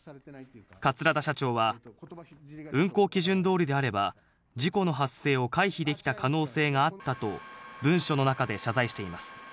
桂田社長は、運航基準どおりであれば、事故の発生を回避できた可能性があったと、文書の中で謝罪しています。